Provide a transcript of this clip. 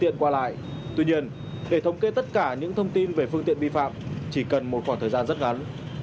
chỉ cần một khoảng thời gian rất gắn